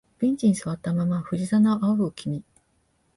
ベンチに座ったまま藤棚を仰ぐ君、